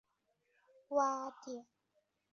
洼点蓼为蓼科蓼属下的一个变种。